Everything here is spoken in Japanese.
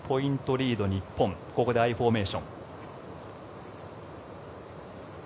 リード、日本ここでアイフォーメーション。